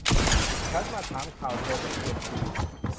ฉันมาถามข่าวเธอกับเซียมซี ?